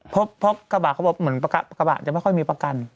เพราะกระบะเขาบอกเหมือนกระบะจะไม่ค่อยมีประกัน